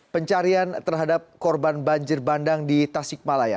pencarian terhadap korban banjir bandang di tasik malaya